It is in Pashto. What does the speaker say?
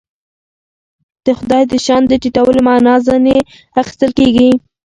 د خدای د شأن د ټیټولو معنا ځنې اخیستل کېږي.